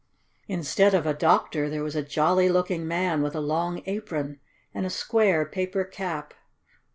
Instead of a doctor there was a jolly looking man, with a long apron, and a square, paper cap.